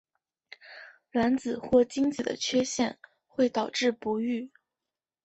卵子或精子的缺陷会导致不育。